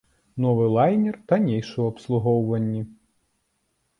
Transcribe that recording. Новы лайнер таннейшы ў абслугоўванні.